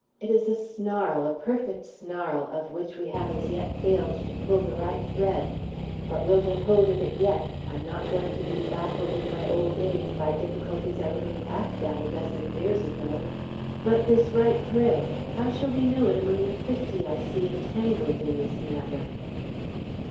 It is a snarl, a perfect snarl, of which we have as yet failed to pull the right thread. But we'll get hold of it yet. I'm not going to be baffled in my old age by difficulties I would have laughed at a dozen years ago." "But this right thread? How shall we know it among the fifty I see entangled in this matter?"